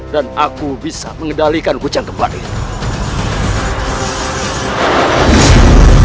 dan aku bisa mengendalikan kucang tempat itu